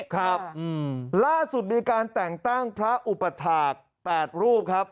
ครับล่าสุดมีการแต่งตั้งพระอุปถาค๘รูปครับ